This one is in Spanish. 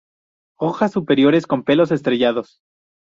Hojas superiores con pelos estrellados.